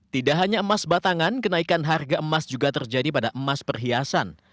tidak hanya emas batangan kenaikan harga emas juga terjadi pada emas perhiasan